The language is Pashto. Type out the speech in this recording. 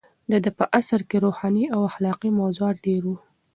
د ده په عصر کې روحاني او اخلاقي موضوعات ډېر وو.